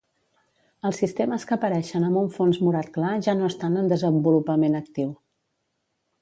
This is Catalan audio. Els sistemes que apareixen amb un fons morat clar ja no estan en desenvolupament actiu.